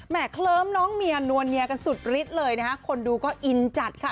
เคลิ้มน้องเมียนวลเนียกันสุดฤทธิ์เลยนะคะคนดูก็อินจัดค่ะ